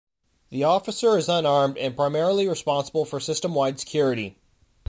The officer is unarmed and primarily responsible for system wide security.